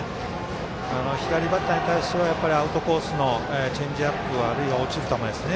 左バッターに対してはやっぱりアウトコースのチェンジアップあるいは落ちる球ですね。